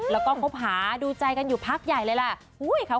แล้วก็คบหาดูใจกันอยู่พักใหญ่เลยล่ะ